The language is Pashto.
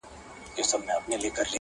هغه چي هيڅوک نه لري په دې وطن کي,